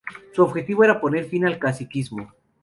Su objetivo era poner fin al caciquismo.